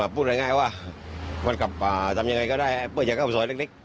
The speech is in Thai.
พูดง่ายว่าวันกลับป่าทำยังไงก็ได้เพื่อจะเข้าซอยเล็ก